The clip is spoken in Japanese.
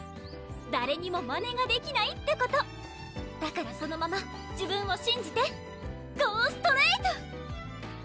誰にもまねができないってことだからそのまま自分をしんじてゴーストレート！